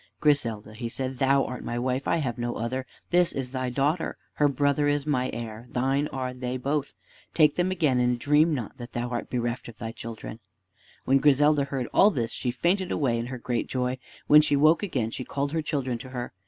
"Griselda," he said, "thou art my wife. I have no other. This is thy daughter; her brother is my heir. Thine are they both. Take them again, and dream not that thou art bereft of thy children." When Griselda heard all this she fainted away in her great joy. When she woke again she called her children to her.